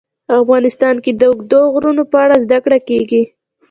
افغانستان کې د اوږده غرونه په اړه زده کړه کېږي.